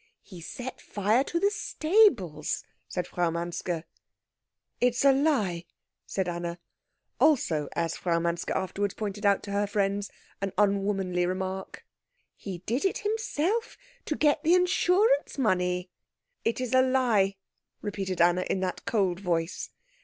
"He set fire to the stables," said Frau Manske. "It is a lie," said Anna; also, as Frau Manske afterwards pointed out to her friends, an unwomanly remark. "He did it himself to get the insurance money." "It is a lie," repeated Anna, in that cold voice.